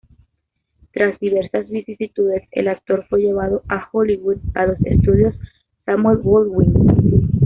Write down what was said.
Tras diversas vicisitudes, el actor fue llevado a Hollywood, a los estudios Samuel Goldwyn.